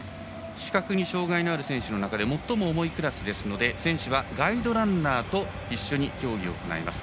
視覚に障がいがある選手の中で最も重いクラスですので選手はガイドランナーと一緒に競技を行います。